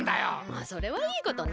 まあそれはいいことね。